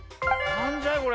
なんじゃいこれ。